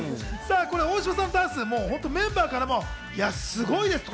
大島さんのダンス、メンバーからもすごいですと。